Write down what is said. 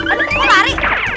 aduh mau lari